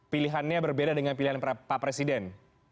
pilihannya berbeda dengan pilihan pak presiden